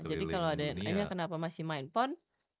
jadi kalo ada yang nanya kenapa masih main pon